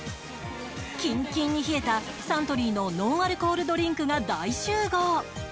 キンキンに冷えたサントリーのノンアルコールドリンクが大集合。